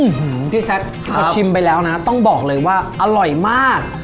อื้อหือพี่ซัชครับก็ชิมไปแล้วนะต้องบอกเลยว่าอร่อยมาก